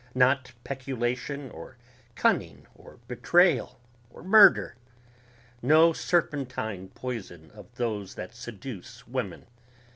not peculation or cunning or betrayal or murder ... no serpentine poison of those that seduce women